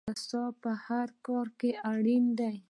انصاف په هر کار کې اړین دی.